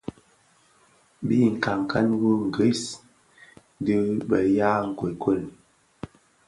Bi nkankan wu ngris dhi be ya nkuekuel.